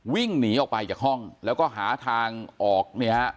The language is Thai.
วิ่งหนีออกไปจากห้องแล้วก็หาทางออกเนี่ยฮะ